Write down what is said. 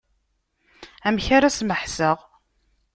Amek ara smeḥseɣ.